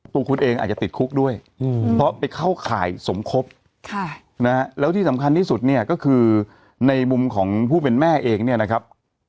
ตัวคุณเองอาจจะติดคุกด้วยเพราะไปเข้าข่ายสมคบแล้วที่สำคัญที่สุดเนี่ยก็คือในมุมของผู้เป็นแม่เองเนี่ยนะครับ